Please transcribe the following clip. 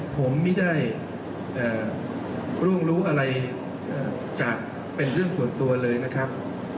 ผมไม่ได้ร่วงรู้อะไรจากเป็นเรื่องส่วนตัวเลยนะครับ